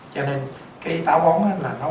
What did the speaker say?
cho nên cái táo bón đó là nó